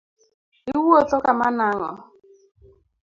Iwuotho kama nang’o?